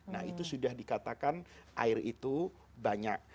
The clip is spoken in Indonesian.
nah itu sudah dikatakan air itu banyak